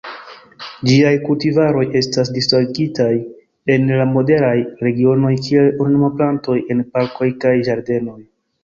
Ĝiaj kultivaroj estas disvastigitaj en la moderaj regionoj kiel ornamplantoj en parkoj kaj ĝardenoj.